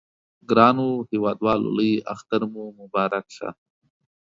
ګرانو هیوادوالو لوی اختر مو مبارک شه!